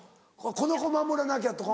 「この子守らなきゃ」とか。